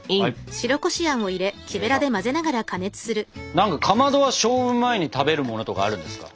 何かかまどは勝負前に食べるものとかあるんですか？